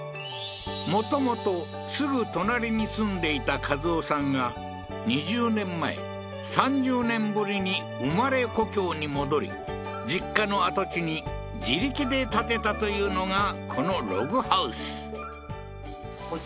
もともとすぐ隣に住んでいた一夫さんが２０年前３０年ぶりに生まれ故郷に戻り実家の跡地に自力で建てたというのがこのログハウス